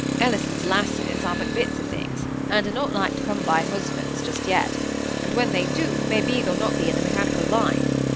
Ellison's lasses are but bits o' things, and are not like to come by husbands just yet; and when they do, maybe they'll not be in the mechanical line.